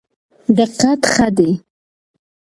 دقت ښه دی.